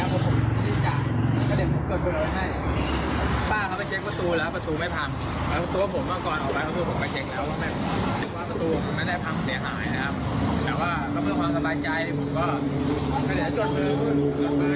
ว่าผู้จัดการปัรมน้ำมีอะไรเสียหายในปัรมโดยเฉพาะ